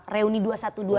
reuni dua ratus dua belas